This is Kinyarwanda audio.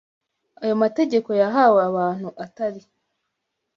Ayo mategeko yahawe abantu Atari